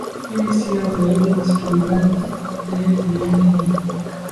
mimi sina zaidi msikilizaji ee jioni hii